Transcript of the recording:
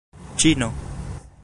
ĉino